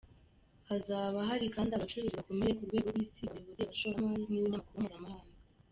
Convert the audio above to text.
Hazaba hari kandi abacuruzi bakomeye ku rwego rw’isi, abayobozi, abashoramari n’ibinyamakuru mpuzamahanga.